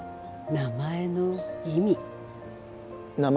名前の意味？